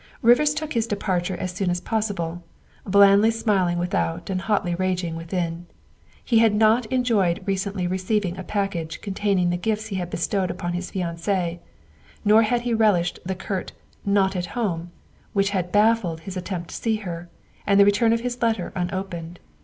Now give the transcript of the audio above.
Rivers took his departure as soon as possible, blandly smiling without and hotly raging within. He had not enjoyed recently receiving a package containing the gifts he had bestowed upon his fiancee; nor had he relished the curt " Not at home" which had baffled his attempt to see her, and the return of his letter un opened.